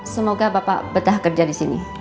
semoga bapak betah kerja di sini